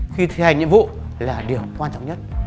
khi thi hành nhiệm vụ là điều quan trọng nhất